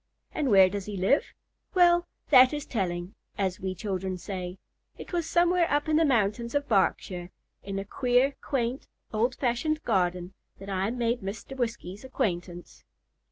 And where does he live? Well, "that is telling," as we children say. It was somewhere up in the mountains of Berkshire, in a queer, quaint, old fashioned garden, that I made Mr. Whiskey's acquaintance.